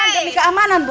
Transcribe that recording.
demi keamanan bu